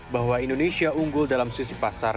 bahwa indonesia unggul dalam sisi pasar